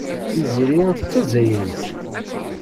Tiziri d Tazzayrit.